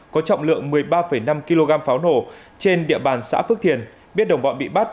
có trọng lượng một mươi ba năm kg pháo nổ trên địa bàn xã phước thiền biết đồng bọn bị bắt